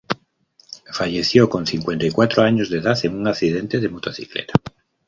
Falleció con cincuenta y cuatro años de edad en un accidente de motocicleta.